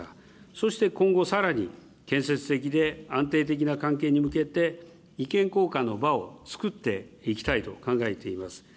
そして今後、さらに建設的で安定的な関係に向けて、意見交換の場を作っていきたいと考えています。